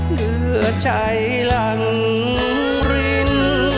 เหลือใจหลังริน